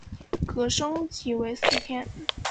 可以升级成为四天。